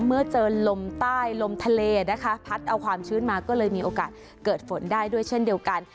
เมื่อเจอลมใต้ลมทะเลนะคะพัดเอาความชื้นมาก็เลยมีโอกาสเกิดฝนได้ด้วยเช่นเดียวกัน